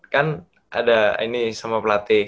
kan ada ini sama pelatih